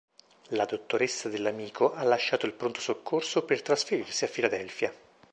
La Dottoressa Dell'Amico ha lasciato il pronto soccorso per trasferirsi a Philadelphia.